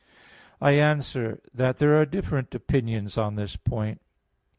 I answer that, There are different opinions on this point.